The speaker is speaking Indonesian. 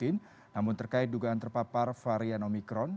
namun terkait dugaan terpapar varian omikron